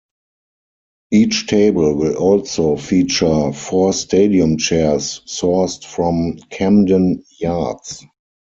Each table will also feature four stadium chairs sourced from Camden Yards.